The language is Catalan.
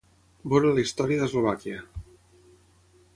Veure la història d'Eslovàquia.